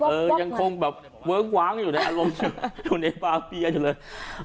เออยังคงแบบเวิ้งว้างอยู่ในอารมณ์อยู่ในปาเปียอยู่เลย